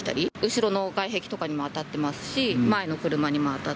後ろの外壁とかにも当たってます